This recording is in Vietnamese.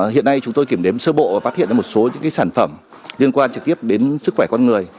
hiện nay chúng tôi kiểm đếm sơ bộ và phát hiện ra một số những sản phẩm liên quan trực tiếp đến sức khỏe con người